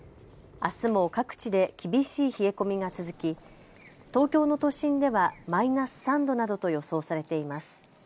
あすも各地で厳しい冷え込みが続き東京の都心ではマイナス３度などと予想されています。